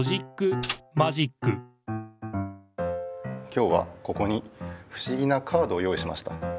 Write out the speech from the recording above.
きょうはここにふしぎなカードを用いしました。